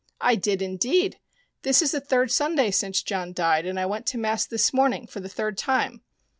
" I did, indeed. This is the third Sunday since John died, and I went to mass this morning for the third time.